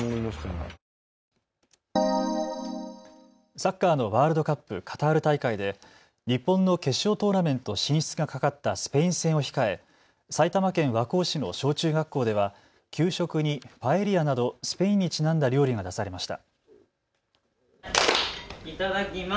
サッカーのワールドカップカタール大会で日本の決勝トーナメント進出がかかったスペイン戦を控え埼玉県和光市の小中学校では給食にパエリアなどスペインにちなんだ料理が出されました。